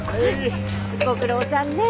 ご苦労さんね。